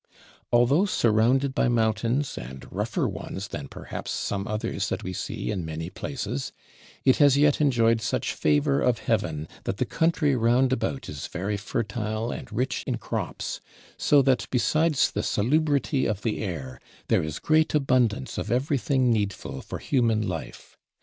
Although surrounded by mountains, and rougher ones than perhaps some others that we see in many places, it has yet enjoyed such favor of heaven that the country round about is very fertile and rich in crops; so that besides the salubrity of the air, there is great abundance of everything needful for human life.